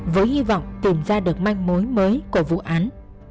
với hy vọng tìm ra được manh mối mới của vụ án